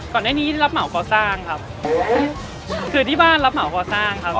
ก่อนหน้านี้ได้รับเหมาก่อสร้างครับคือที่บ้านรับเหมาก่อสร้างครับ